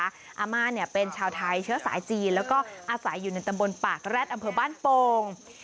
อาม่าเนี่ยเป็นชาวไทยเชื้อสายจีนแล้วก็อาศัยอยู่ในตำบลปากแร็ดอำเภอบ้านโป่ง